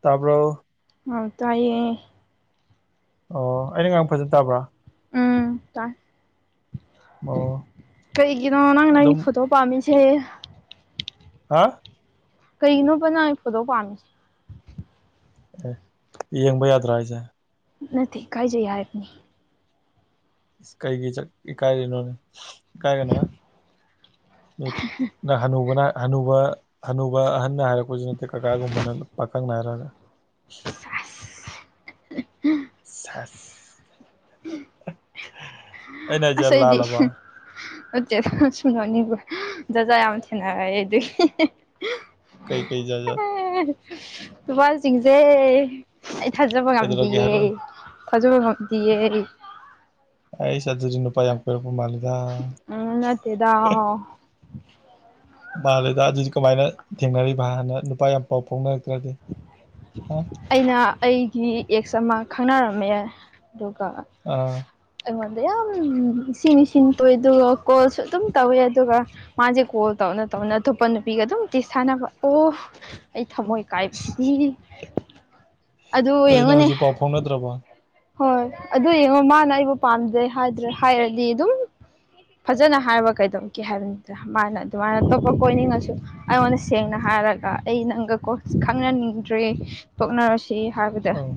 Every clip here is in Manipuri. ꯇꯥꯕ꯭ꯔꯣ ꯑꯧ ꯇꯥꯢꯌꯦ ꯑꯣ ꯑꯩꯅ ꯉꯥꯡ ꯐꯖꯟ ꯇꯥꯕ꯭ꯔꯥ ꯎꯝ ꯇꯥꯏ ꯑꯣ ꯀꯩꯒꯤꯅꯣ ꯅꯪ ꯅꯪ ꯑꯗꯨꯝ ꯐꯨꯠꯇꯣ ꯄꯥꯝꯃꯤ ꯁꯦ ꯍꯥ ꯀꯔꯤꯒꯤꯅꯣꯕ ꯅꯪ ꯑꯩ ꯐꯣꯇꯣ ꯄꯥꯝꯃꯤꯁꯦ ꯑꯦ ꯌꯦꯡꯕ ꯌꯥꯗ꯭ꯔꯣ ꯍꯥꯏꯖꯦ ꯅꯠꯇꯦ ꯏꯀꯥꯏꯖꯩ ꯍꯥꯏꯕꯅꯤ ꯢꯁ ꯀꯩꯒꯤ ꯆꯛ ꯏꯀꯥꯥꯏꯔꯤꯅꯣꯅꯦ ꯢꯀꯥꯏꯒꯅꯣꯍꯦ ꯃꯤ ꯅ ꯍꯅꯨꯕꯅ ꯍꯅꯨꯕ ꯍꯅꯨꯕ ꯑꯍꯟꯅ ꯍꯥꯏꯔꯛꯄꯖꯨ ꯅꯠꯇꯦ ꯀꯀꯥꯒꯨꯝꯕꯅ ꯄꯥꯈꯪꯅ ꯍꯥꯏꯔꯒ ꯑꯁ ꯑꯁ ꯁꯦꯁ ꯑꯩꯅ ꯍꯥꯏꯖꯦ ꯑꯁ ꯑꯩꯗꯤ ꯂꯥꯜꯂꯕ ꯎꯠꯇꯦ ꯁꯨꯝ ꯅꯣꯛꯅꯤꯡꯕ ꯖꯥꯠ ꯖꯥꯠ ꯌꯥꯝ ꯊꯦꯡꯅꯔꯦ ꯑꯩꯗꯤ ꯀꯩ ꯀꯩ ꯖꯥꯠ ꯖꯥꯠ ꯅꯨꯄꯥꯖꯤꯡꯖꯦ ꯑꯩ ꯊꯥꯖꯕ ꯀꯩꯗꯧꯔꯒꯦ ꯉꯝꯗꯤꯌꯦ ꯍꯥꯏꯔꯛꯑꯣꯅꯦ ꯊꯥꯖꯕ ꯉꯝꯗꯤꯌꯦ ꯑꯩꯁ ꯑꯗꯨꯖꯨ ꯅꯨꯄꯥ ꯌꯥꯝ ꯀꯣꯏꯔꯛꯄ ꯃꯥꯜꯂꯤꯗꯥ ꯎꯝ ꯅꯠꯇꯦꯗ ꯃꯥꯜꯂꯦꯗ ꯑꯗꯨꯗꯤ ꯀꯃꯥꯏꯅ ꯊꯦꯡꯅꯔꯤꯕ ꯍꯥꯟꯅ ꯅꯨꯄꯥ ꯌꯥꯝ ꯄꯥꯎ ꯐꯥꯎꯅꯔꯛꯇ꯭ꯔꯗꯤ ꯍꯥ ꯑꯩꯅ ꯑꯩꯒꯤ ꯑꯦꯛꯁ ꯑꯃ ꯈꯪꯅꯔꯝꯃꯦ ꯑꯗꯨꯒ ꯑꯥ ꯑ ꯌꯥꯝ ꯅꯨꯡꯁꯤ ꯅꯨꯡꯁꯤꯅ ꯇꯧꯋꯦ ꯑꯗꯨꯒ ꯀꯣꯜꯁꯨ ꯑꯗꯨꯝ ꯇꯧꯋꯦ ꯑꯗꯨꯒ ꯃꯥꯖꯦ ꯀꯣꯜ ꯇꯧꯅ ꯇꯧ ꯇꯧꯅ ꯑꯇꯣꯞꯄ ꯅꯨꯄꯤꯒ ꯑꯗꯨꯝ ꯇꯦꯛꯁ ꯊꯥꯟꯅꯕ ꯑꯣ ꯑꯩ ꯊꯃꯣꯏ ꯀꯥꯏꯕꯁꯤꯗꯤ ꯑꯗꯨ ꯅꯪ ꯌꯦꯡꯉꯨꯅꯦ ꯍꯧꯖꯤꯛ ꯄꯥꯎ ꯐꯥꯎꯅꯗ꯭ꯔꯕꯣ ꯍꯣꯏ ꯑꯗꯨ ꯌꯦꯡꯉꯣ ꯃꯥꯅ ꯑꯩꯕꯨ ꯄꯥꯝꯗꯦ ꯍꯥꯏꯗ꯭ꯔ ꯍꯥꯏꯔꯗꯤ ꯑꯗꯨꯝ ꯐꯖꯅ ꯍꯥꯏꯕ ꯀꯩꯗꯧꯒꯦ ꯍꯥꯏꯕꯅꯤꯗ ꯃꯥꯅ ꯑꯗꯨꯃꯥꯏꯅ ꯑꯇꯣꯞꯄ ꯀꯣꯏꯅꯤꯡꯉꯁꯨ ꯑꯩꯉꯣꯟꯗ ꯁꯦꯡꯅ ꯍꯥꯏꯔꯒ ꯑꯩ ꯅꯪꯒꯀꯣ ꯈꯪꯅꯅꯤꯡꯗ꯭ꯔꯦ ꯊꯣꯛꯅꯔꯁꯤ ꯁꯤ ꯍꯥꯏꯕꯗ ꯑꯧ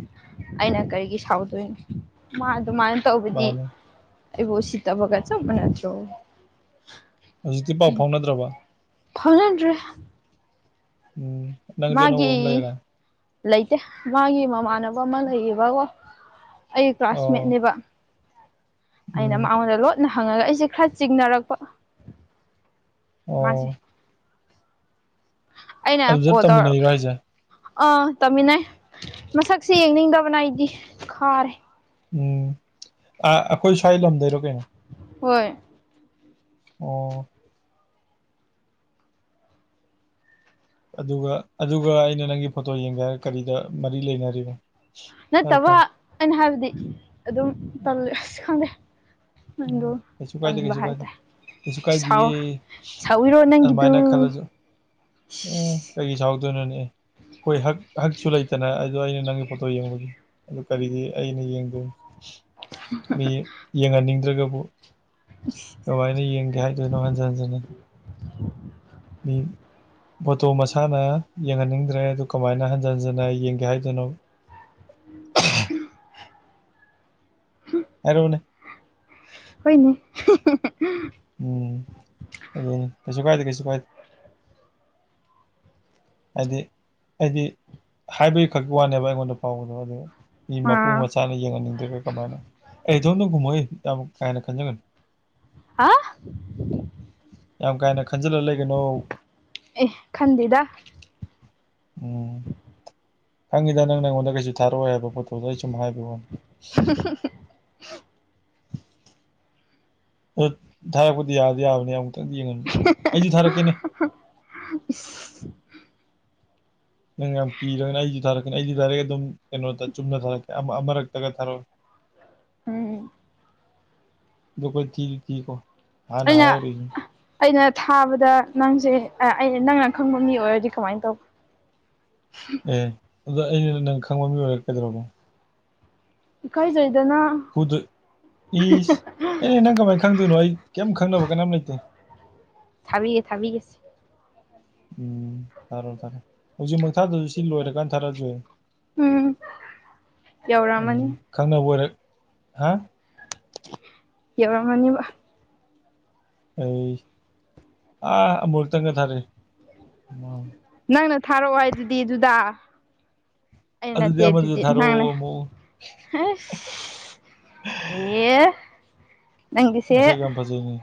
ꯑꯩꯅ ꯀꯔꯤꯒꯤ ꯁꯥꯎꯗꯣꯏꯅꯣ ꯃꯥ ꯑꯗꯨꯃꯥꯏꯅ ꯇꯧꯕꯗꯤ ꯃꯥꯅꯦ ꯑꯩꯕꯨ ꯎꯁꯤꯠꯇꯕꯒ ꯆꯞ ꯃꯥꯟꯅꯗ꯭ꯔꯣ ꯍꯧꯖꯤꯛꯇꯤ ꯄꯥꯎ ꯐꯥꯎꯅꯗ꯭ꯔꯕꯣ ꯐꯥꯎꯅꯗ꯭ꯔꯦ ꯑꯣ ꯅꯪꯖꯨ ꯑꯅꯧꯕ ꯑꯝ ꯃꯥꯒꯤ ꯂꯩꯔꯗꯥꯏ ꯂꯩꯇꯦ ꯃꯥꯒꯤ ꯃꯃꯥꯟꯅꯕ ꯑꯃ ꯂꯩꯌꯦꯕꯀꯣ ꯑꯩ ꯑꯣ ꯀ꯭ꯂꯥꯁꯃꯦꯠꯅꯦꯕ ꯑꯩꯅ ꯎꯝ ꯃꯉꯣꯟꯗ ꯂꯣꯠꯅ ꯍꯪꯉꯒ ꯑꯩꯁꯦ ꯈꯔ ꯆꯤꯡꯅꯔꯛꯄ ꯃꯥꯁꯦ ꯑꯣ ꯑꯩꯅ ꯑꯗꯨꯗ ꯀꯣꯜ ꯇꯧꯔꯒ ꯇꯝꯃꯤꯟꯅꯩꯔꯣ ꯍꯥꯏꯁꯦ ꯑꯥ ꯇꯝꯃꯤꯟꯅꯩ ꯃꯁꯛꯁꯦ ꯌꯦꯡꯅꯤꯡꯗꯕꯅ ꯑꯩꯗꯤ ꯈꯥꯔꯦ ꯎꯝ ꯑꯈꯣꯏ ꯁ꯭ꯋꯥꯏ ꯂꯝꯗꯩꯔꯣ ꯀꯩꯅꯣ ꯍꯣꯏ ꯑꯣ ꯑꯗꯨꯒ ꯑꯗꯨꯒ ꯑꯩꯅ ꯅꯪꯒꯤ ꯐꯣꯇꯣ ꯌꯦꯡꯒꯦ ꯍꯥꯏꯒ ꯀꯔꯤꯗ ꯃꯔꯤ ꯂꯩꯅꯔꯤꯕ ꯐꯔꯦ ꯅꯠꯇꯕ ꯐꯔꯦ ꯑꯩꯅ ꯍꯥꯏꯕꯗꯤ ꯑꯗꯨꯝ ꯇꯜꯂꯦ ꯑ꯭ꯁ ꯈꯪꯗꯦ ꯅꯪꯗꯣ ꯎꯝ ꯀꯁꯨ ꯀꯥꯏꯗꯦ ꯇꯟꯕ ꯀꯩꯁꯨ ꯀꯥꯏꯗꯦ ꯍꯥꯏꯇꯥꯔꯦ ꯀꯩꯁꯨ ꯁꯥꯎ ꯀꯥꯏꯗꯤꯌꯦ ꯁꯥꯎꯋꯤꯔꯣ ꯅꯪꯒꯤꯗꯨ ꯑꯗꯨꯃꯥꯏꯅ ꯈꯜꯂꯁꯨ ꯑꯣ ꯀꯩꯒꯤ ꯁꯥꯎ ꯑꯗꯨꯅꯅꯦ ꯈꯣꯏ ꯍꯛ ꯍꯛꯁꯨ ꯂꯩꯇꯅ ꯑꯥ ꯑꯗꯣ ꯑꯩꯅ ꯅꯪꯒꯤ ꯐꯣꯇꯣ ꯌꯦꯡꯕꯒꯤ ꯑꯗꯨ ꯀꯔꯤꯒꯤ ꯑꯩꯅ ꯌꯦꯡꯗꯣꯏꯅꯣ ꯃꯤ ꯌꯦꯡꯍꯟꯅꯤꯡꯗ꯭ꯔꯒꯕꯨ ꯀꯃꯥꯏꯅ ꯌꯦꯡꯒꯦ ꯍꯥꯏꯗꯣꯏꯅꯣ ꯍꯟꯖꯟ ꯍꯟꯖꯟꯅ ꯎꯝ ꯐꯣꯇꯣ ꯃꯁꯥꯅ ꯌꯦꯡꯍꯟꯅꯤꯡꯗ꯭ꯔꯦ ꯗꯨ ꯀꯃꯥꯏꯅ ꯍꯟꯖꯟ ꯍꯟꯖꯟꯅ ꯌꯦꯡꯒꯦ ꯍꯥꯏꯗꯣꯏꯅꯣ [inaudible] ꯍꯥꯏꯔꯣꯅꯦ ꯍꯣꯏꯅꯦ [unintelligible] ꯎꯝ ꯑꯗꯨꯅꯤ ꯀꯩꯁꯨ ꯀꯥꯏꯗꯦ ꯀꯩꯁꯨ ꯀꯥꯏꯗꯦ ꯍꯥꯏꯗꯤ ꯑꯩꯗꯤ ꯍꯥꯏꯕꯒꯤ ꯈꯛꯀꯤ ꯋꯥꯅꯦꯕ ꯑꯩꯉꯣꯟꯗ ꯐꯥꯎꯕꯗꯣ ꯑꯗꯣ ꯃꯤ ꯃꯄꯨ ꯑꯥ ꯃꯆꯥꯅ ꯌꯦꯡꯍꯟꯅꯤꯡꯗ꯭ꯔꯒ ꯀꯃꯥꯏꯅ ꯑꯩ ꯏꯇꯣꯝꯗ ꯈꯨꯝꯃꯛꯏ ꯌꯥꯝ ꯀꯥꯏꯅ ꯈꯟꯖꯟꯒꯅꯨ ꯍꯥ ꯌꯥꯝ ꯀꯥ ꯍꯦꯟꯅ ꯈꯟꯖꯤꯜꯂ ꯂꯩꯒꯅꯣ ꯑꯦ ꯈꯟꯗꯦꯗ ꯎꯝ ꯈꯪꯉꯤꯗ ꯅꯪꯅ ꯑꯩꯉꯣꯟꯗ ꯀꯩꯁꯨ ꯊꯥꯔꯑꯣꯏ ꯍꯥꯏꯕ ꯐꯣꯇꯣꯗꯩ ꯁꯨꯝ ꯍꯥꯏꯕꯩ ꯋꯥꯅꯦ ꯑꯥ ꯊꯥꯔꯄꯗꯤ ꯌꯥꯗꯤ ꯌꯥꯕꯅꯦ ꯌꯥꯝ [unintelligible] ꯑꯩꯁꯨ ꯊꯥꯔꯛꯀꯦꯅꯦ ꯏꯁ ꯅꯪ ꯌꯥꯝ ꯀꯤꯔꯒꯅ ꯑꯩꯁꯨ ꯊꯥꯔꯛꯀꯅꯤ ꯑꯩꯁꯨ ꯗꯥꯏꯔꯦꯛ ꯑꯗꯨꯝ ꯀꯩꯅꯣꯗ ꯆꯨꯝꯅ ꯊꯥꯔꯛꯀꯦ ꯑꯃ ꯑꯃꯔꯛꯇꯒ ꯊꯥꯔꯛꯑꯣꯏ ꯎꯝ [unintelligible] ꯊꯤꯗꯤ ꯊꯤꯀꯣ ꯍꯥꯟꯅ ꯑꯩꯅ ꯍꯥꯏꯍꯧꯔꯤꯁꯤꯅꯤ ꯑꯩꯅ ꯊꯥꯕꯗ ꯅꯪꯁꯦ ꯑ ꯑꯩꯅꯥ ꯅꯪꯅ ꯈꯪꯕ ꯃꯤ ꯑꯣꯏꯔꯗꯤ ꯀꯃꯥꯏ ꯇꯧꯕ ꯑꯦ ꯑꯗꯨꯗꯣ ꯑꯩꯅ ꯅꯪ ꯈꯪꯕ ꯃꯤ ꯑꯣꯏꯔ ꯀꯩꯗꯧ ꯔꯒꯦ ꯏꯀꯥꯏꯖ ꯐꯨꯗꯣꯏ ꯏꯁ ꯑꯩꯅꯦ ꯅꯪ ꯀꯃꯥꯏ ꯈꯪꯗꯣꯏꯅꯣ ꯑꯩ ꯀꯩꯝ ꯈꯪꯅꯕ ꯀꯅꯥꯝ ꯂꯩꯇꯦ ꯊꯥꯕꯤꯒꯦ ꯊꯥꯕꯤꯒꯦꯁꯦ ꯎꯝ ꯊꯥꯔꯣ ꯊꯥꯔꯣ ꯍꯧꯖꯤꯃꯛ ꯊꯥꯗꯁꯨ ꯁꯤ ꯂꯣꯏꯔꯀꯥꯟ ꯊꯥꯔꯛꯑꯁꯨ ꯌꯥꯏ ꯎꯝ ꯎꯝ ꯌꯧꯔꯛꯑꯃꯅꯤ ꯈꯪꯅꯕ ꯑꯣꯏꯔꯦ ꯍꯥ ꯌꯧꯔꯝꯃꯅꯤꯕ ꯑꯩ ꯑꯃꯨꯔꯛꯇꯪꯒ ꯊꯥꯔꯛ ꯑꯦ ꯅꯪꯅ ꯊꯥꯔꯛꯑꯣ ꯍꯥꯏ ꯑꯗꯨꯗꯤ ꯑꯗꯨꯗ ꯑꯩꯅ ꯑꯗꯨꯗꯤ ꯅꯠꯇꯦ ꯑꯃꯗꯨꯗ ꯗꯨꯗꯤ ꯅꯪꯅꯦ ꯊꯥꯔꯛꯑꯣ ꯑꯃꯨꯛ ꯑꯁ ꯑꯦ ꯅꯪꯒꯤꯁꯦ ꯃꯁꯛ ꯌꯥꯝ ꯐꯖꯩꯅꯦ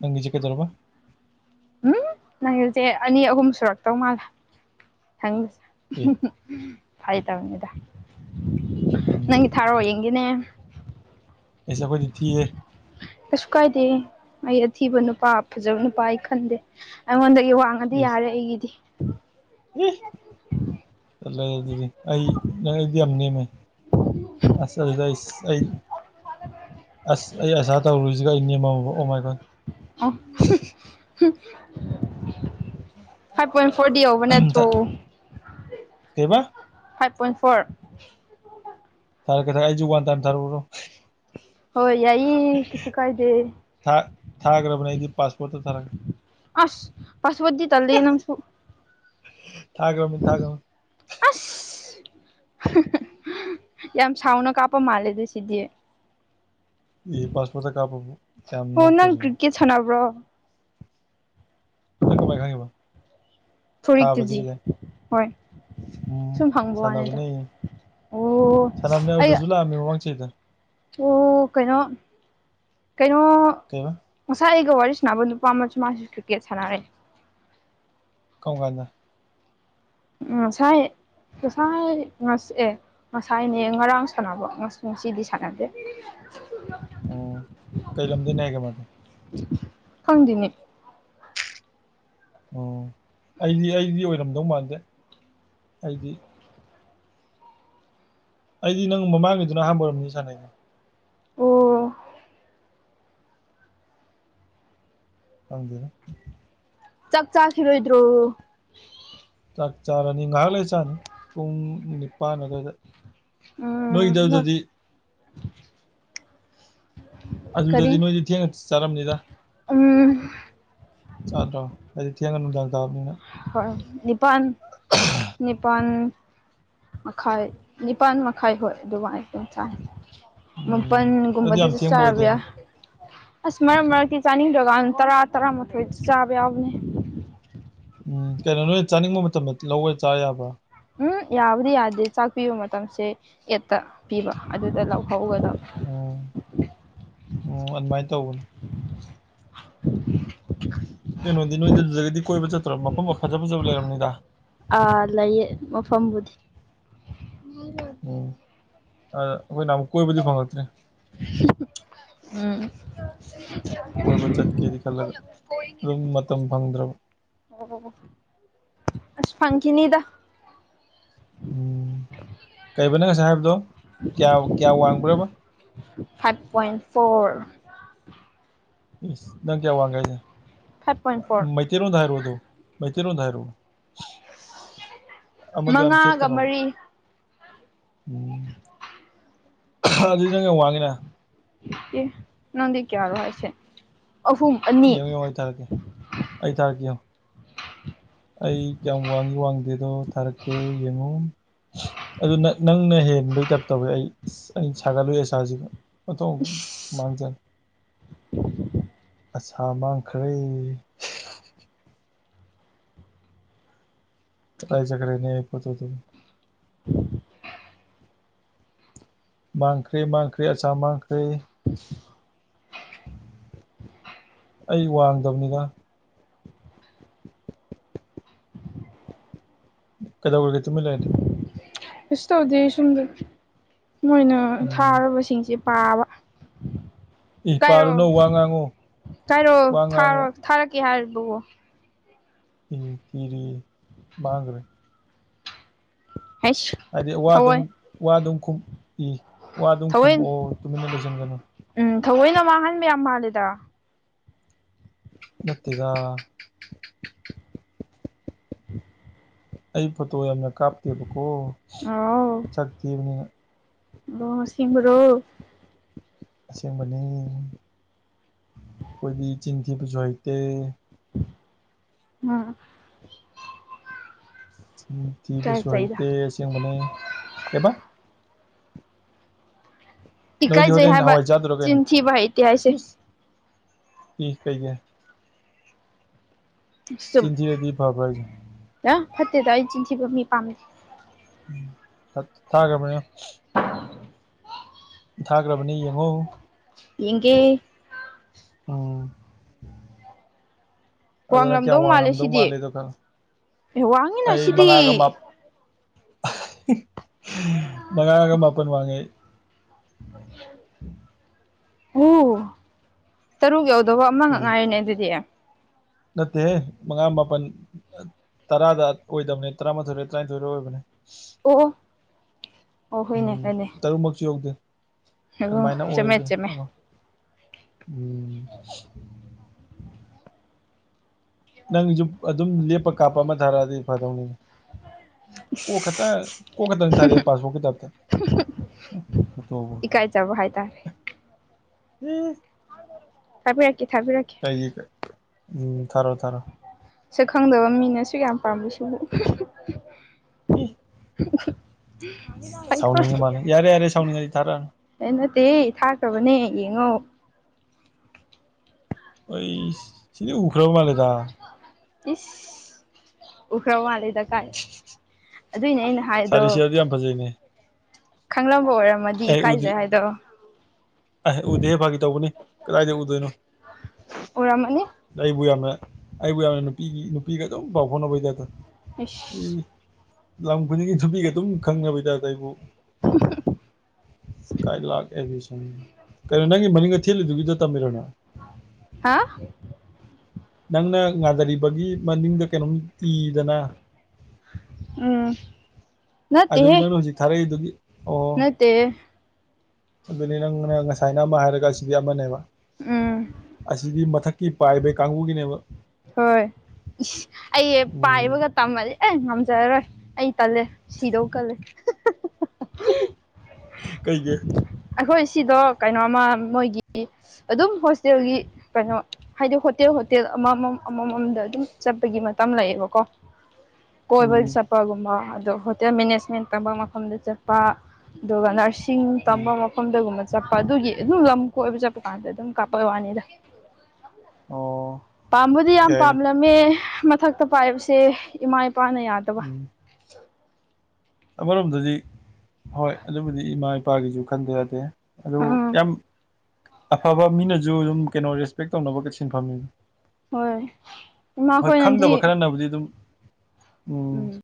ꯅꯪꯒꯤꯁꯤ ꯀꯩꯗꯧꯔꯕ ꯎꯝ ꯅꯪꯒꯤꯁꯦ ꯑꯅꯤ ꯑꯍꯨꯝ ꯁꯨꯔꯛꯇꯧ ꯃꯥꯜꯂꯦ ꯈꯪꯁꯦ ꯑꯦ ꯐꯥꯒꯤ ꯇꯧꯕꯅꯤꯗ ꯎꯝ ꯅꯪꯒꯤ ꯊꯥꯔꯣ ꯌꯦꯡ ꯌꯦꯡꯒꯦꯅꯦ ꯑꯁ ꯑꯩꯈꯣꯏꯗꯤ ꯊꯤ ꯍꯦ ꯀꯩꯁꯨ ꯀꯥꯏꯗꯦ ꯑꯩ ꯑꯊꯤꯕ ꯅꯨꯄꯥ ꯐꯖꯕ ꯅꯨꯄꯥ ꯑꯩ ꯈꯟꯗꯦ ꯑꯩꯉꯣꯟꯗ ꯋꯥꯡꯉꯗꯤ ꯑꯦꯁ ꯌꯥꯔꯦ ꯑꯩꯒꯤꯗꯤ ꯑꯦ ꯇꯜꯂꯦ ꯑꯗꯨꯗꯤ ꯑꯩ ꯅꯪ ꯑꯩꯗꯤ ꯌꯥꯝ ꯅꯦꯝꯃꯦ ꯑꯁ ꯑꯗꯨꯗꯤ ꯑꯁ ꯑꯁ ꯑꯩ ꯑꯁꯥ ꯇꯧꯔꯨꯔꯤꯁꯤꯒ ꯑꯩ ꯅꯦꯝꯃꯝꯃꯕ ꯑꯣ ꯃꯥꯏ ꯒꯣꯠ ꯑꯣ ꯐꯥꯏꯚ ꯄꯣꯏꯟ ꯐꯣꯔꯗꯤ ꯌꯧꯕ ꯅꯠꯇ꯭ꯔꯣ ꯀꯩꯕ ꯐꯥꯏꯚ ꯄꯣꯏꯟꯠ ꯐꯣꯔ ꯊꯔꯦꯛꯀꯦ ꯊ ꯑꯩꯖꯨ ꯋꯥꯟ ꯇꯥꯏꯝ ꯊꯥꯔꯛꯎꯔꯣ ꯍꯣꯏ ꯌꯥꯏꯌꯦ ꯀꯩꯁꯨ ꯀꯥꯏꯗꯦ ꯊꯥ ꯊꯥꯒ꯭ꯔꯕꯅꯦ ꯑꯩꯗꯤ ꯄꯥꯁꯄꯣꯔꯠꯇ ꯊꯥꯔꯛꯀꯦ ꯑꯁ ꯄꯁꯋꯥꯔꯗꯗꯤ ꯇꯜꯂꯦ ꯅꯡꯁꯨꯨ ꯊꯥꯒ꯭ꯔꯝꯅꯤ ꯊꯥꯒ꯭ꯔꯝꯅꯤ ꯑꯁ ꯌꯥꯝ ꯁꯥꯎꯅ ꯀꯥꯞꯄ ꯃꯥꯜꯂꯦ ꯑꯗꯨ ꯁꯤꯗꯤ ꯑꯩ ꯄꯥꯁꯄꯣꯇ ꯀꯥꯄꯕꯨ ꯀꯌꯥꯝ ꯑꯣ ꯅꯪ ꯅꯣꯛꯇꯣꯔꯤꯒꯦ ꯀ꯭ꯔꯤꯛꯀꯦꯠ ꯁꯥꯟꯅꯕ꯭ꯔꯣ ꯅꯪ ꯀꯃꯥꯏ ꯈꯡꯉꯤꯕ ꯊꯥꯕꯕꯁꯤ ꯐꯨꯔꯤꯠꯇꯨꯗꯤ ꯀꯗ ꯍꯣꯏ ꯎꯝ ꯁꯨꯝ ꯍꯪꯕ ꯋꯥꯅꯤꯗ ꯁꯥꯟꯅꯕꯅꯦ ꯑꯣ ꯁꯅꯥꯕꯅꯦ ꯑꯩ ꯑꯗꯨꯗꯁꯨ ꯂꯥꯛꯑꯝꯃꯦ ꯃꯃꯥꯡ ꯆꯍꯤꯗ ꯑꯣ ꯀꯩꯅꯣ ꯀꯩꯅꯣ ꯀꯩꯕ ꯉꯁꯥꯏ ꯒ ꯋꯥꯔꯤ ꯁꯥꯟꯅꯕ ꯅꯨꯄꯥ ꯑꯃ ꯃꯥꯁꯨ ꯀ꯭ꯔꯤꯛꯀꯦꯠ ꯁꯥꯟꯅꯔꯦ ꯀꯔꯝꯀꯥꯟꯗ ꯎꯝ ꯉꯁꯥꯏ ꯉꯁꯥꯏ ꯉ ꯑꯦ ꯉꯁꯥꯏꯅꯦ ꯉꯔꯥꯡ ꯁꯥꯟꯅꯕ ꯉꯁꯤꯗꯤ ꯁꯥꯟꯅꯗꯦ ꯎꯝ ꯀꯩ ꯂꯝꯗꯩꯅꯦ ꯍꯥꯏ ꯀꯦ ꯃꯥꯗꯤ ꯈꯪꯗꯦꯅꯤ ꯑꯣ ꯑꯩꯗꯤ ꯑꯩꯗꯤ ꯑꯣꯏꯔꯝꯗꯧ ꯃꯥꯟꯗꯦ ꯑꯩꯗꯤ ꯑꯩꯗꯤ ꯅꯪ ꯃꯃꯥꯡꯒꯤꯗꯨꯅ ꯑꯍꯥꯟꯕ ꯑꯣꯏꯔꯝꯅꯤ ꯁꯥꯟꯅꯩꯩꯗꯣ ꯑꯣ ꯈꯪꯗꯦꯗ ꯆꯥꯛ ꯆꯥꯛꯈꯤꯔꯣꯏꯗ꯭ꯔꯣ ꯆꯥꯛ ꯆꯥꯔꯅꯤ ꯉꯥꯏꯍꯥꯛ ꯂꯩ ꯆꯅꯤ ꯄꯨꯡ ꯅꯤꯄꯥꯟ ꯑꯗꯨꯋꯥꯏꯗ ꯎꯝ ꯅꯣꯏꯗꯗꯗꯤ ꯀꯔꯤ ꯑꯗꯨꯗꯗꯤ ꯅꯣꯏꯗꯤ ꯊꯦꯡꯅ ꯆꯠꯔꯝꯅꯤꯗ ꯎꯝ ꯆꯥꯗ꯭ꯔꯣ ꯍꯥꯏꯗꯤ ꯊꯦꯡꯒ ꯅꯨꯡꯗꯥꯡ ꯇꯕꯅꯤꯅ ꯍꯣꯏ ꯅꯤꯄꯥꯟ ꯅꯤꯄꯥꯟ ꯃꯈꯥꯏ ꯅꯤꯄꯥꯥꯟ ꯃꯈꯥꯏ ꯍꯣꯏ ꯑꯗꯨꯃꯥꯏ ꯑꯗꯨꯝ ꯆꯥꯏ ꯎꯝ ꯑꯗꯨ ꯌꯥꯝ ꯨꯃꯄꯟꯒꯨꯝꯗꯁꯨ ꯊꯦꯡꯕ ꯆꯥꯕ ꯑꯣꯏꯗꯦꯅꯦ ꯌꯥꯏ ꯑꯁ ꯃꯔꯛ ꯃꯔꯛ ꯀꯤ ꯆꯥꯅꯤꯡꯗꯀꯥꯟ ꯇꯔꯥ ꯇꯔꯥꯃꯥꯊꯣꯏ ꯆꯥꯕ ꯌꯥꯎꯕꯅꯦ ꯎꯝ ꯀꯩꯅꯣ ꯅꯣꯏ ꯆꯥꯅꯤꯡꯕ ꯃꯇꯝꯗ ꯂꯧꯕꯒ ꯆꯥ ꯌꯥꯕ꯭ꯔꯥ ꯎꯝ ꯌꯥꯕꯨꯗꯤ ꯌꯥꯗꯦ ꯆꯥꯛ ꯄꯤꯕ ꯃꯇꯝꯁꯦ ꯑꯦꯠꯇ ꯄꯤꯕ ꯑꯗꯨꯗ ꯂꯧ ꯎꯝ ꯎꯝ ꯑꯗꯨꯃꯥꯏꯅ ꯇꯧꯕꯅꯤ [unintelligible] ꯀꯩꯅꯣꯗꯤ ꯅꯣꯏꯗ ꯑꯗꯨꯗꯒꯤꯗꯤ ꯀꯣꯏꯕ ꯆꯠꯇ꯭ꯔꯣ ꯃꯐꯝ ꯐꯖ ꯐꯖꯕ ꯂꯩꯔꯝꯅꯤꯗ ꯑꯥ ꯂꯩꯥꯏꯌꯦ ꯃꯐꯝꯕꯨꯗꯤ ꯎꯝ ꯑ ꯑꯩꯈꯣꯏꯅ ꯑꯃꯨꯛ ꯀꯣꯏꯕꯗꯤ ꯐꯪꯉꯛꯇ꯭ꯔꯦ ꯎꯝ ꯀꯣꯏꯕ ꯆꯠꯀꯦꯗꯤ ꯈꯜꯂꯒ ꯑꯗꯨꯝ ꯃꯇꯝ ꯐꯪꯗ꯭ꯔꯕ ꯑꯁ ꯐꯪꯈꯤꯅꯤꯗ ꯎꯝ ꯀꯔꯤꯕ ꯅꯪ ꯉꯁꯥꯏ ꯍꯥꯏꯕꯗꯣ ꯀꯌꯥ ꯀꯌꯥ ꯋꯥꯡꯕ꯭ꯔꯕ ꯐꯥꯏꯚ ꯄꯣꯏꯟ ꯐꯣꯔ ꯅꯪ ꯀꯌꯥ ꯋꯥꯡꯒꯦ ꯍꯥꯏꯖꯦ ꯐꯥꯏꯚ ꯄꯣꯏꯟ ꯐꯣꯔ ꯃꯩꯇꯩꯔꯣꯟꯗ ꯍꯥꯏꯔꯛꯑꯣ ꯑꯗꯨ ꯃꯩꯇꯩꯔꯣꯟꯗ ꯍꯥꯏꯔꯣ ꯑꯃꯗ ꯌꯥꯝ ꯃꯉꯥꯒ ꯊꯦꯠꯀꯅꯣꯕ ꯃꯔꯤ ꯎꯝ ꯑꯗꯨꯗꯤ ꯅꯪ ꯌꯥꯝ ꯋꯥꯡꯉꯤꯅ ꯑꯦ ꯅꯪꯗꯤ ꯀꯌꯥꯔꯣ ꯍꯥꯏꯁꯦ ꯑꯍꯨꯝ ꯑꯅꯤ ꯌꯦꯡꯉꯣ ꯌꯦꯡꯉꯣ ꯑꯩ ꯇꯥꯔꯛꯀꯦ ꯑꯩ ꯇꯥꯔꯛꯀꯦ ꯌꯦꯡꯉꯣ [inaudible] ꯑꯩ ꯀꯌꯥꯝ ꯋꯥꯡꯏꯤ ꯋꯥꯡꯗꯦꯗꯣ ꯊꯥꯔꯛꯀꯦ ꯌꯦꯡꯉꯨ ꯑꯗꯨ ꯅꯪꯅ ꯍꯦꯟꯕꯩꯇꯥꯏꯞ ꯇꯧꯋꯦ ꯑꯩ ꯑꯁ ꯁꯥꯒꯠꯂꯨꯏ ꯑꯁꯥꯁꯦ ꯑꯣ ꯇꯣ ꯏꯁ ꯃꯥꯡꯖ [unintelligible] ꯑꯁꯥ ꯃꯥꯡꯈ꯭ꯔꯦ ꯀꯗꯥꯏ ꯆꯠꯈ꯭ꯔꯦꯅꯦ ꯑꯩ ꯄꯣꯠꯆꯩ ꯗꯣ ꯃꯪꯈ꯭ꯔꯦ ꯃꯥꯡꯈ꯭ꯔꯦ ꯑꯁꯥ ꯃꯥꯡꯈ꯭ꯔꯦ ꯑꯩ ꯋꯥꯡꯗꯕꯅꯤꯗ [inaudible] ꯀꯩꯗꯧꯔꯒꯦ ꯇꯨꯃꯤꯟ ꯂꯩꯔꯗꯤ ꯀꯩꯁꯨ ꯇꯧꯗꯦ ꯁꯣꯝꯗ ꯃꯣꯏꯅ ꯎꯝ ꯊꯥꯔꯕꯁꯤꯡꯁꯦ ꯄꯥꯕ ꯏ ꯀꯥꯏꯔꯣ ꯄꯥꯜꯂꯨꯅꯨ ꯋꯥ ꯉꯥꯡꯉꯨ ꯀꯥꯏꯔꯣ ꯋꯥ ꯊꯥꯔꯣ ꯉꯥꯡꯉꯨ ꯊꯥꯔꯛ ꯌꯥꯔꯤꯕꯣ ꯎꯝ ꯊꯤꯔꯤ ꯃꯥꯥꯡꯒ꯭ꯔꯦ ꯍꯩꯁ ꯍꯥꯏꯗꯤ ꯋꯥ ꯑꯗꯨꯝ ꯊꯑꯣꯏ ꯋꯥ ꯑꯗꯨꯝ ꯈꯨꯝ ꯏ ꯋꯥ ꯑꯗꯨꯝ ꯊꯑꯣꯏ ꯈꯨꯝꯃꯛꯑꯣ ꯇꯨꯃꯤꯟꯅ ꯂꯩꯁꯟꯒꯅꯨ ꯎꯝ ꯊꯑꯣꯏꯅ ꯃꯥꯡꯍꯟꯕ ꯌꯥꯝ ꯃꯥꯜꯂꯦꯗ ꯅꯠꯇꯦꯗ ꯑꯩ ꯐꯣꯠꯇꯣ ꯌꯥꯝꯅ ꯀꯥꯞꯇꯦꯕꯀꯣ ꯁꯛ ꯊꯤꯕꯅꯤꯅ ꯑꯗꯣ ꯑꯁꯦꯡꯕ꯭ꯔꯣ ꯑꯁꯦꯡꯕꯅꯦ ꯈꯣꯏꯗꯤ ꯆꯤꯟ ꯊꯤꯕꯁꯨ ꯍꯩꯇꯦ ꯑꯝ ꯆꯤꯟ ꯊꯤꯕꯁꯨ ꯏꯀꯥꯏꯖꯩꯗ ꯍꯩꯇꯦ ꯑꯁꯦꯡꯕꯅꯦ ꯀꯩꯕꯥ ꯅꯣꯏꯗꯤ ꯏꯀꯥꯏꯖꯩ ꯍꯣꯔꯦꯟ ꯍꯥꯏꯕ ꯍꯋꯥꯏ ꯆꯥꯗꯨꯔꯣ ꯀꯩꯅꯣ ꯆꯤꯟꯊꯤꯕ ꯍꯩꯇꯦ ꯍꯥꯏꯁꯦ ꯏꯁ ꯏ ꯀꯩꯒꯤ ꯆꯨꯝ ꯆꯤꯟꯊꯤꯔꯗꯤ ꯐꯕ꯭ꯔ ꯍꯥꯏꯁꯦ ꯑ ꯐꯠꯇꯦꯗ ꯑꯩ ꯆꯤꯟꯊꯤꯕ ꯃꯤ ꯄꯥꯝꯗꯦ ꯊ ꯊꯥꯒ꯭ꯔꯕꯅꯦ ꯎꯝ ꯊꯥꯒ꯭ꯔꯕꯅꯦ ꯌꯦꯡꯉꯣ ꯌꯦꯡꯒꯦ ꯎꯝ ꯑꯗꯣ ꯅꯪ ꯀꯌꯥꯝ ꯋꯥꯡꯂꯝꯗꯧ ꯃꯥꯜꯂꯦ ꯋꯥꯡꯉꯝꯗꯧ ꯁꯤꯗꯤ ꯃꯥꯜꯂꯦꯗꯣ ꯈ ꯑꯦ ꯋꯥꯡꯉꯤꯅ ꯑꯩ ꯁꯤꯗꯤ ꯃꯉꯥꯒ ꯃꯥ [unintelligible] ꯃꯉꯥꯡꯒ ꯃꯥꯄꯟ ꯋꯥꯡꯉꯦ ꯑꯩ ꯑꯣ ꯇꯔꯨꯛ ꯌꯧꯗꯧꯕ ꯑꯃ ꯈꯛ ꯑꯦ ꯉꯥꯏꯔꯦꯅꯦ ꯑꯗꯨꯗꯤ ꯅꯠꯇꯦꯍꯦ ꯃꯉꯥꯡ ꯃꯥꯄꯟ ꯇꯔꯥꯗ ꯑꯣꯏꯗꯕꯝꯅꯦ ꯇꯔꯥꯃꯥꯊꯣꯏꯔ ꯇꯔꯥꯅꯤꯊꯣꯏꯔ ꯑꯣꯏꯕꯅꯦ ꯑꯣ ꯑꯣ ꯎꯝ ꯇꯔꯨꯛꯃꯛꯁꯨ ꯌꯧꯗꯦ ꯍꯦꯒꯣ ꯑꯗꯨꯃꯥꯏꯅ ꯆꯨꯝꯃꯦ ꯑꯣꯏꯕꯅꯦ ꯆꯨꯝꯃꯦ ꯑꯃ ꯎꯝ ꯅꯪꯁꯨ ꯑꯗꯨꯝ ꯂꯦꯞꯄ ꯀꯥꯞꯄ ꯑꯃ ꯊꯥꯔꯛꯑꯗꯤ ꯐꯗꯧꯅꯤꯅꯦ ꯀꯣꯛ ꯈꯛꯇ ꯀꯣꯛ ꯈꯛꯇꯪ ꯊꯥꯔꯛꯑꯦ ꯄꯥꯁꯄꯣꯠ ꯀꯤ ꯇꯥꯏꯞꯇ ꯐꯣꯇꯣꯕꯨ ꯏꯀꯥꯏꯖꯕ ꯍꯥꯏꯇꯥꯔꯦ [unintelligible] [unintelligible] ꯀꯩꯒꯤ ꯎꯝ ꯊꯥꯔꯣ ꯊꯥꯔꯣ ꯁꯛ ꯈꯪꯗꯕ ꯃꯤꯅꯁꯨ ꯌꯥꯝ ꯄꯥꯝꯕꯁꯤꯕꯨ ꯏ [unintelligible] ꯁꯥꯎꯅꯤꯡꯉ ꯃꯥꯜꯂꯦ ꯌꯥꯔꯦ ꯌꯥꯔꯦ ꯁꯥꯥꯎꯅꯤꯡꯉꯗꯤ ꯊꯥꯔꯛꯑꯅꯨ ꯑꯩ ꯅꯠꯇꯦꯍꯦ ꯊꯥꯈ꯭ꯔꯕꯅꯦ ꯌꯦꯡꯉꯣ ꯍꯨꯏꯁ ꯁꯤꯗꯤ ꯎꯈ꯭ꯔꯕ ꯃꯥꯜꯂꯦꯗ ꯏ꯭ꯁ ꯎꯈ꯭ꯔꯕ ꯃꯥꯂꯦꯗ ꯀꯥꯏ ꯑꯥ ꯑꯗꯨꯏꯅꯤ ꯑꯩꯅ ꯍꯥꯏꯗꯣ ꯁꯥꯔꯤ ꯁꯤꯌꯔꯗꯤ ꯌꯥꯝ ꯐꯖꯩꯅꯦ ꯈꯪꯂꯝꯕ ꯑꯣꯏꯔꯝꯃꯗꯤ ꯏꯀꯥꯏꯖꯩ ꯍꯥꯏꯗꯣꯛ ꯑꯣ ꯑꯍ ꯎꯗꯦꯍꯦ ꯐꯥꯒꯤ ꯇꯧꯕꯅꯤ ꯀꯗꯥꯏꯗꯩ ꯎꯗꯣꯏꯅꯣ ꯑꯣꯏꯔꯝꯃꯅꯤ ꯑꯩꯕꯨ ꯌꯥꯝꯅ ꯑꯩꯕꯨ ꯌꯥꯝꯅ ꯅꯨꯄꯤꯒꯤ ꯅꯨꯄꯤꯒ ꯗꯨꯝ ꯄꯥꯎ ꯐꯥꯎꯅꯕꯩ ꯇꯥꯏꯞꯇ ꯑꯩꯁ ꯏ ꯂꯝ ꯈꯨꯗꯤꯡꯒꯤ ꯅꯨꯄꯤꯒ ꯗꯨꯝ ꯈꯪꯅꯕꯩ ꯇꯥꯏꯞꯇ ꯑꯩꯕꯨ [unintelligible] ꯀꯩꯅꯣ ꯅꯪꯒꯤ ꯃꯅꯤꯡꯗ ꯊꯦꯠꯂꯤꯗꯨꯒꯤꯗꯣ ꯇꯝꯃꯤꯔꯣ ꯅꯪꯏ ꯍꯥ ꯅꯪꯅ ꯉꯥꯗꯔꯤꯕꯒꯤ ꯃꯅꯤꯡꯗ ꯀꯩꯅꯣꯝ ꯏꯗꯅ ꯎꯝ ꯅꯠꯇꯦꯍꯦ ꯑꯗꯨꯒꯤꯗꯣ ꯅꯪꯅ ꯍꯧꯖꯤꯛ ꯊꯥꯔꯛꯏꯗꯨꯒꯤ ꯑꯣ ꯅꯠꯇꯦꯍꯦ ꯑꯗꯨꯅꯤ ꯅꯪ ꯉꯔꯥꯥꯡ ꯉꯁꯥꯏꯅ ꯑꯃ ꯍꯥꯏꯔꯒ ꯑꯁꯤꯗꯤ ꯑꯃꯅꯦꯕ ꯎꯝ ꯑꯁꯤꯗꯤ ꯃꯊꯛ ꯀꯤ ꯄꯥꯏꯕꯩ ꯀꯥꯡꯕꯨꯒꯤꯅꯦꯕ ꯍꯣꯏ ꯏ꯭ꯁ ꯑꯩ ꯎꯝ ꯄꯥꯏꯕꯒ ꯇꯝꯃꯗꯤ ꯑꯦ ꯉꯝꯖꯔꯣꯏ ꯑꯩ ꯇꯜꯂꯦ ꯁꯤꯗꯧ ꯀꯜꯂꯦ [unintelligible] ꯀꯩꯒꯤ ꯍ ꯑꯈꯣꯏ ꯁꯤꯗꯣ ꯀꯩꯅꯣꯃ ꯃꯣꯏꯒꯤ ꯑꯗꯨꯝ ꯍꯣꯁꯇꯦꯜꯒꯤ ꯀꯩꯅꯣ ꯍꯥꯏꯗꯤ ꯍꯣꯇꯦꯜ ꯍꯣꯇꯦꯜ ꯑꯃ ꯃꯝ ꯑꯃ ꯃꯝꯗ ꯑꯗꯨꯝ ꯆꯠꯄꯒꯤ ꯃꯇꯝ ꯂꯩꯌꯦꯕꯀꯣ ꯀꯣꯏꯕ ꯎꯝ ꯆꯠꯄꯒꯨꯝꯕ ꯑꯗꯣ ꯍꯣꯇꯦꯜ ꯃꯦꯅꯦꯖꯃꯦꯟ ꯇꯝꯕ ꯃꯐꯝꯗ ꯆꯠꯄ ꯑꯗꯨꯒ ꯅꯔꯁꯤꯡ ꯎꯝ ꯇꯝꯕ ꯃꯐꯝꯗꯒꯨꯝꯕ ꯆꯠꯄ ꯑꯗꯨꯒꯤ ꯑꯗꯨꯝ ꯂꯝ ꯀꯣꯏꯕ ꯆꯠꯄ ꯀꯥꯟꯗ ꯑꯗꯨꯝ ꯀꯥꯞꯄꯩ ꯋꯥꯅꯤꯗ ꯑꯣ ꯑꯗꯨꯗꯤ ꯌꯥꯝ ꯌꯥꯏꯅꯦ ꯄꯥꯝꯂꯝꯃꯦ ꯃꯊꯛꯇ ꯄꯥꯏꯕꯁꯦ ꯏꯃꯥ ꯏꯄꯥꯅ ꯌꯥꯗꯕ ꯎꯝ ꯑꯃꯔꯣꯝꯗꯗꯤ ꯍꯣꯏ ꯑꯗꯨꯕꯨꯗꯤ ꯏꯃꯥ ꯏꯄꯥꯒꯤꯁꯨ ꯈꯟꯗ ꯌꯥꯗꯦ ꯑꯗꯨ ꯎꯝ ꯌꯥꯝ ꯑꯐꯕ ꯃꯤꯅꯁꯨ ꯑꯗꯨꯝ ꯀꯩꯅꯣ ꯔꯦꯁꯄꯦꯛ ꯇꯧꯅꯕ ꯁꯤꯟꯐꯝꯅꯤ ꯍꯣꯏ ꯍꯣꯏ ꯏꯃꯥꯈꯣꯏꯅꯗꯤ ꯈꯪꯗꯕ ꯈꯔꯅꯕꯨꯗꯤ ꯑꯗꯨꯝ ꯎꯝ